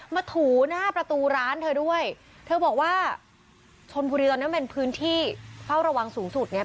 ถูหน้าประตูร้านเธอด้วยเธอบอกว่าชนบุรีตอนนั้นเป็นพื้นที่เฝ้าระวังสูงสุดไง